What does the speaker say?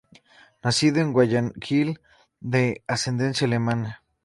Nacido en Guayaquil, de ascendencia alemana.